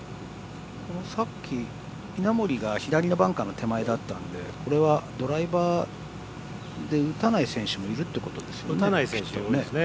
さっき、稲森が左のバンカーの手前だったんでこれはドライバーで打たない選手もいるってことですよね。